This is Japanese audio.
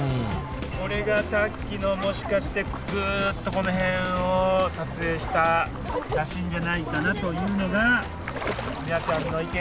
これがさっきのもしかしてグッとこの辺を撮影した写真じゃないかなというのが皆さんの意見。